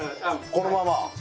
そのまま。